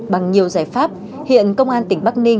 bằng nhiều giải pháp hiện công an tỉnh bắc ninh